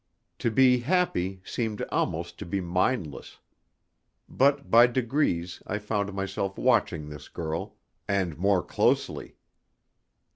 To be happy seemed almost to be mindless. But by degrees I found myself watching this girl, and more closely.